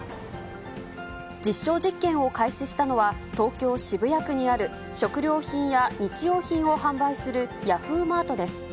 実証実験を開始したのは、東京・渋谷区にある食料品や日用品を販売するヤフーマートです。